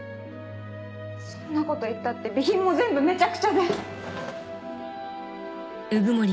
そんなこと言ったって備品も全部めちゃくちゃで。